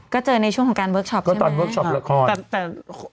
ก็เจอในช่วงของการเวิร์กช็อปใช่ไหม